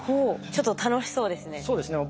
ちょっと楽しそうですね。